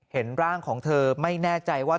เห็นร่างของเธอไม่แน่ใจว่า